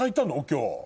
今日。